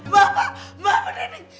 bapak bapak nenek